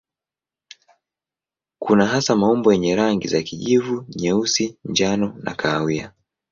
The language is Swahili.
Kuna hasa maumbo yenye rangi za kijivu, nyeusi, njano na kahawia.